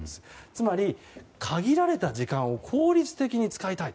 つまり、限られた時間を効率的に使いたい。